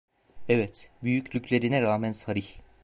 Evet, büyüklüklerine rağmen sarih…